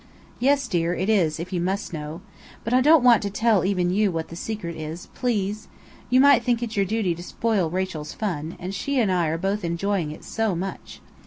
"Yes, dear, it is, if you must know. But I don't want to tell even you what the secret is, please! You might think it your duty to spoil Rachel's fun, and she and I are both enjoying it so much."